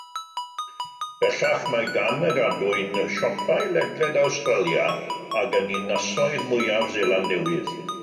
Bellach mae gan y gadwyn siopau ledled Awstralia ac yn ninasoedd mwyaf Seland Newydd.